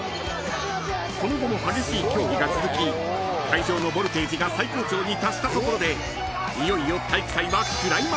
［その後も激しい競技が続き会場のボルテージが最高潮に達したところでいよいよ］